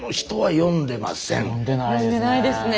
読んでないですね。